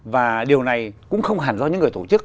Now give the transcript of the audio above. và điều này cũng không hẳn do những người tổ chức